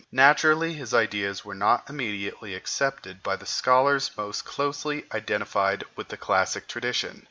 Naturally his ideas were not immediately accepted by the scholars most closely identified with the classic tradition.